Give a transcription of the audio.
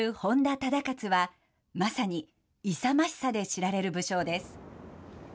忠勝は、まさに勇ましさで知られる武将です。